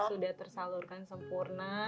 sudah tersalurkan sempurna